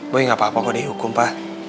boy nggak apa apa kok dihukum pa